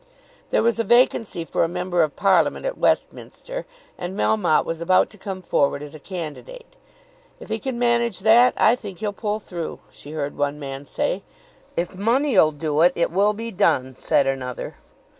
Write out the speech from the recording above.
There was a vacancy for a member of parliament at Westminster, and Melmotte was about to come forward as a candidate. "If he can manage that I think he'll pull through," she heard one man say. "If money'll do it, it will be done," said another.